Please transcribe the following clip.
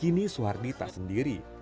kini suhardi tak sendiri